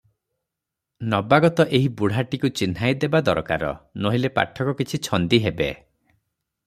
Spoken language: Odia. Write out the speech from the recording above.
ନବାଗତ ଏହି ବୁଢ଼ାଟିକୁ ଚିହ୍ନାଇଦେବା ଦରକାର, ନୋହିଲେ ପାଠକ କିଛି ଛନ୍ଦି ହେବେ ।